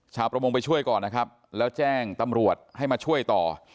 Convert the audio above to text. ชาวประมงไปช่วยก่อนนะครับแล้วแจ้งตำรวจให้มาช่วยต่อ